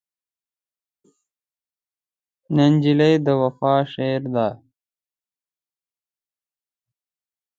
نجلۍ د وفا شعر ده.